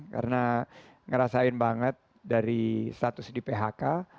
karena ngerasain banget dari status di phk